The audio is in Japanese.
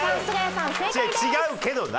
違うけどな！